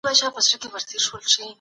ولسي جرګه همدا اوس نوي طرحي څېړي.